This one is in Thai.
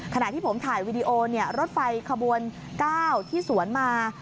ขณะที่ผมถ่ายวีดีโอรถไฟขบวน๙ที่สวนมา